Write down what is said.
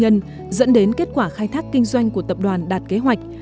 dẫn đến kết quả khai thác kinh doanh của tập đoàn đạt kế hoạch